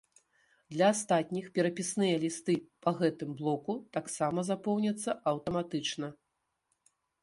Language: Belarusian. Для астатніх перапісныя лісты па гэтым блоку таксама запоўняцца аўтаматычна.